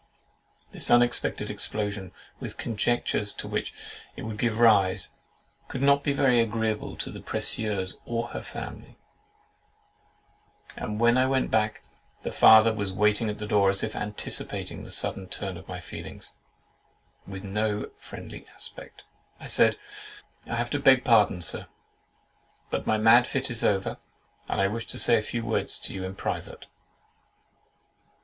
This unexpected explosion, with the conjectures to which it would give rise, could not be very agreeable to the precieuse or her family; and when I went back, the father was waiting at the door, as if anticipating this sudden turn of my feelings, with no friendly aspect. I said, "I have to beg pardon, Sir; but my mad fit is over, and I wish to say a few words to you in private."